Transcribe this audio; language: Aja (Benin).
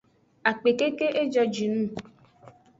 Akpe keke; ejojinung.